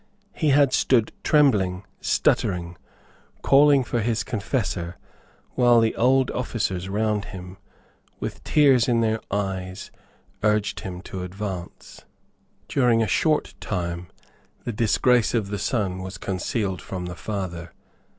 He had stood trembling, stuttering, calling for his confessor, while the old officers round him, with tears in their eyes, urged him to advance. During a short time the disgrace of the son was concealed from the father.